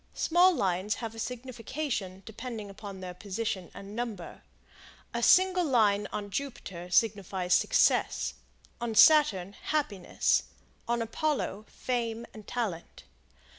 Small Lines have a signification depending upon their position and number. A single line on Jupiter signifies success; on Saturn, happiness; on Apollo, fame and talent.